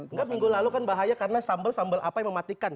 enggak minggu lalu kan bahaya karena sambal sambal apa yang mematikan